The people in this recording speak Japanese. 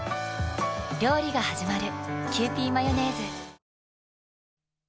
料理がはじまる。